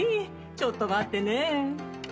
ちょっと待ってね。